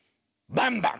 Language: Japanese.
「バンバン」。